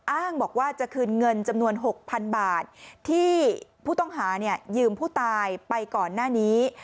อ้างบอกว่าจะคืนเงินจำนวน๖๐๐๐บาทที่ผู้ต้องหายืมผู้ตายไปก่อนหน้านี้